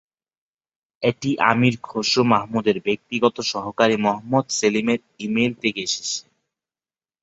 এটি আমীর খসরু মাহমুদের ব্যক্তিগত সহকারী মোহাম্মদ সেলিমের ই-মেইল থেকে এসেছে।